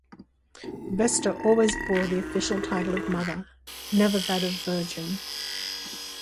Vesta always bore the official title of Mother, never that of Virgin.